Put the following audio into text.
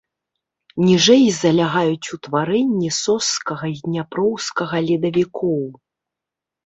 Ніжэй залягаюць утварэнні сожскага і дняпроўскага ледавікоў.